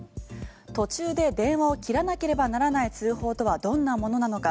途中で電話を切らなければならない通報とはどんなものなのか。